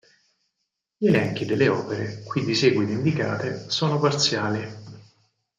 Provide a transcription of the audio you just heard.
Gli elenchi delle opere qui di seguito indicate sono parziali.